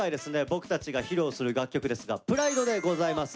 僕たちが披露する楽曲ですが「ＰＲＩＤＥ」でございます。